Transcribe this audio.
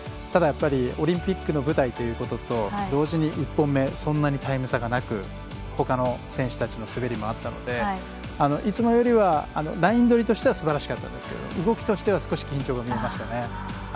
ただやっぱりオリンピックの舞台ということと同時に１本目そんなにタイム差がなくほかの選手たちの滑べりもあったのでいつもよりもライン取りはすばらしかったですが動きとしては少し緊張が見えました。